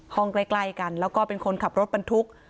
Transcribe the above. ห้องใกล้กันแล้วก็เป็นคนขับรถปันทุก